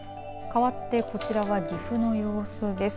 かわってこちらは岐阜の様子です。